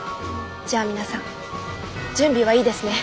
じゃあ皆さん準備はいいですね？